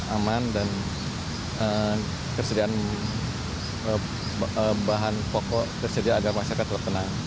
aman dan ketersediaan bahan pokok tersedia agar masyarakat terkena